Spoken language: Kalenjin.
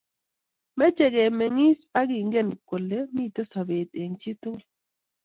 meche kemengis ak kengen kole miten sobet eng chii tugul